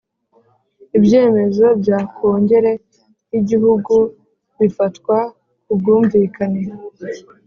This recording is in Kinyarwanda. Ibyemezo bya Kongere y’Igihugu bifatwa ku bwumvikane